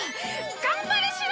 頑張れ白！！